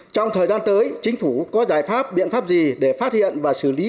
trong thời gian tới chính phủ có giải pháp biện pháp gì để phát hiện và xử lý